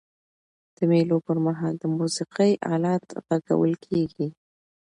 د مېلو پر مهال د موسیقۍ آلات ږغول کيږي.